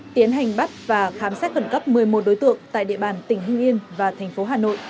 tiến hành bắt và khám xét khẩn cấp một mươi một đối tượng tại địa bàn tỉnh hưng yên và thành phố hà nội